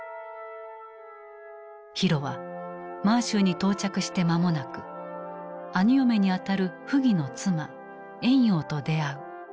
浩は満州に到着して間もなく兄嫁にあたる溥儀の妻婉容と出会う。